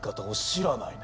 知らない？